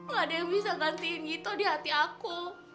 gak ada yang bisa gantiin gitu di hati aku